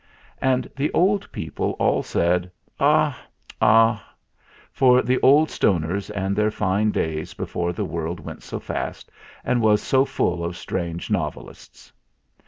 And the old people all said, "Ah! ah! for the good Old Stoners and their fine days before the world went so fast and was so full of strange novel ties!"